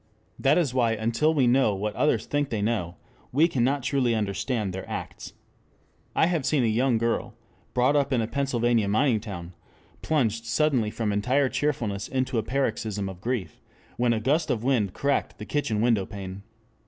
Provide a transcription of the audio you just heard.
That is why until we know what others think they know, we cannot truly understand their acts. I have seen a young girl, brought up in a Pennsylvania mining town, plunged suddenly from entire cheerfulness into a paroxysm of grief when a gust of wind cracked the kitchen window pane.